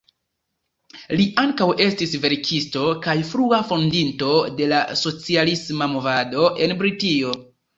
Li ankaŭ estis verkisto kaj frua fondinto de la socialisma movado en Britio.